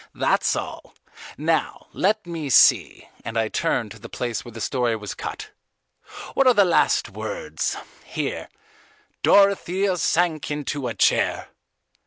That's all. Now, let me see," and I turned to the place where the story was cut, "what are the last words: here: 'Dorothea sank into a chair.